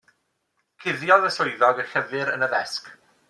Cuddiodd y swyddog y llyfr yn y ddesg.